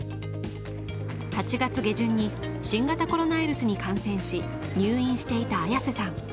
８月下旬に新型コロナウイルスに感染し、入院していた綾瀬さん。